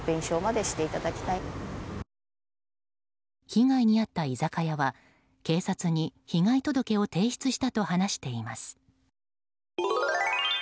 被害に遭った居酒屋は警察に被害届を提出したと話しています。